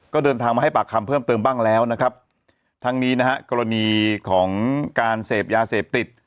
ก็เดินทางมาให้ปากคำเพิ่มเติมบ้างแล้วนะครับทั้งนี้นะฮะกรณีของการเสพยาเสพติด